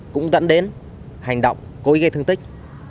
cũng dẫn đến hành động cố ý gây thương tích